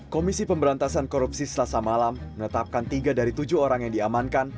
komisi pemberantasan korupsi selasa malam menetapkan tiga dari tujuh orang yang diamankan